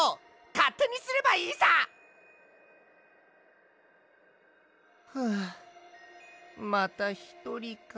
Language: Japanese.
かってにすればいいさ！はあまたひとりか。